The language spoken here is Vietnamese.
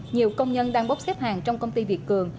nhiều công nhân đang bốc xếp hàng trong công ty việt cường